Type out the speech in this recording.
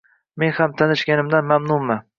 Men ham tanishganimdan mamnunman.